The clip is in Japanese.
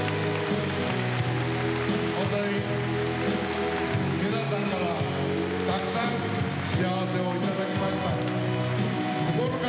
本当に皆さんからたくさん幸せを頂きました。